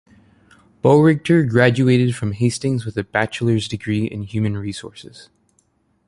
Boerigter graduated from Hastings with a bachelor's degree in Human Resources.